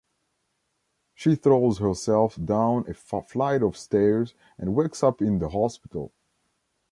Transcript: She throws herself down a flight of stairs and wakes up in the hospital.